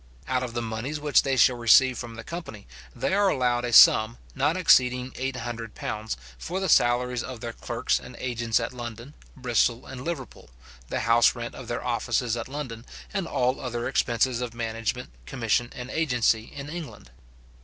Out of the moneys which they shall receive from the company, they are allowed a sum, not exceeding eight hundred pounds, for the salaries of their clerks and agents at London, Bristol, and Liverpool, the house rent of their offices at London, and all other expenses of management, commission, and agency, in England.